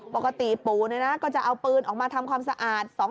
ปกติปู่ก็จะเอาปืนออกมาทำความสะอาด